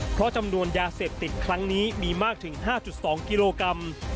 เพราะจำนวนยาเสพติดครั้งนี้มีมากถึง๕๒กิโลกรัม